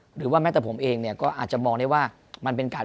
หรือว่าแม้แต่ผมเองเนี่ยก็อาจจะมองได้ว่ามันเป็นการ